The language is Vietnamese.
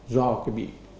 do cái bị